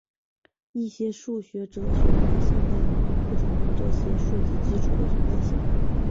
一些数学哲学的现代理论不承认这种数学基础的存在性。